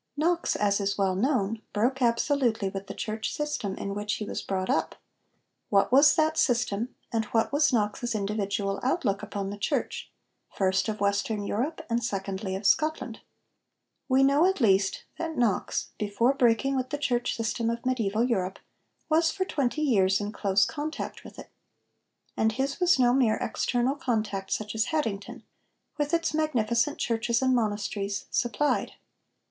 Knox, as is well known, broke absolutely with the church system in which he was brought up. What was that system, and what was Knox's individual outlook upon the Church first, of Western Europe, and secondly of Scotland? We know at least that Knox, before breaking with the church system of mediæval Europe, was for twenty years in close contact with it. And his was no mere external contact such as Haddington, with its magnificent churches and monasteries, supplied.